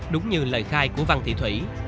đúng như lời khai của văn thị thủy